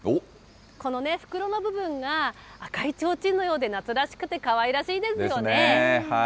この袋の部分が赤いちょうちんのようで夏らしくてかわいらしいですよね。